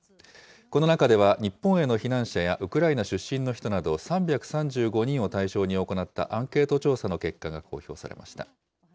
この中では、日本への避難者やウクライナ出身の人など、３３５人を対象に行ったアンケート調査の結果が公表されました。